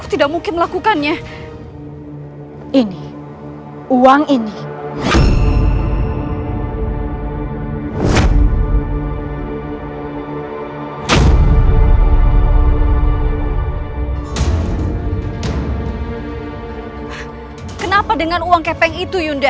sampai jumpa di video selanjutnya